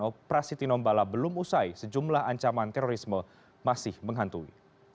operasi tinombala belum usai sejumlah ancaman terorisme masih menghantui